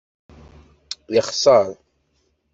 Yexṣer.